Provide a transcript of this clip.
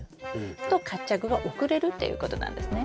と活着が遅れるということなんですね。